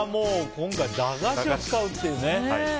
今回、駄菓子を使うっていうね。